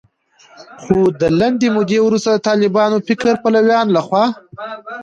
خو د لنډې مودې وروسته د طالباني فکر پلویانو لخوا